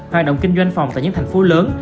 hoạt động kinh doanh phòng tại những thành phố lớn